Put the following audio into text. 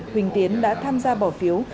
huỳnh tiến đã tham gia bỏ phiếu